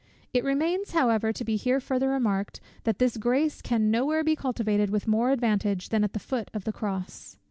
It remains, however to be here farther remarked, that this grace can no where be cultivated with more advantage than at the foot of the cross.